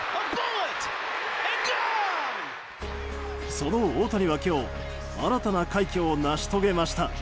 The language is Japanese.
その大谷は今日新たな快挙を成し遂げました。